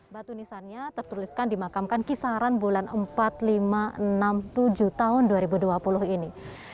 batu nisannya tertuliskan dimakamkan kisaran bulan empat ribu lima ratus enam puluh tujuh tahun dua ribu dua puluh ini